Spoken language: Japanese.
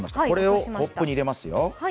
これをコップに入れますよ。